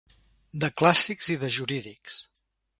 De clàssics i de jurídics.